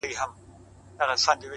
وه ه ته به كله زما شال سې ،